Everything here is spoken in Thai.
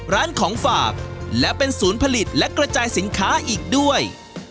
ร้านของฝากและเป็นศูนย์ผลิตและกระจายสินค้าอีกด้วย